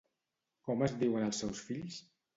Com es diuen els seus fills?